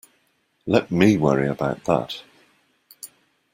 Let me worry about that.